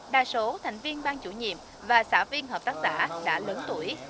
đa số thành viên bang chủ nhiệm và xã viên hợp tác xã đã lớn tuổi